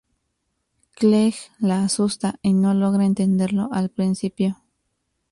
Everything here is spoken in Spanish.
Clegg la asusta, y no logra entenderlo al principio.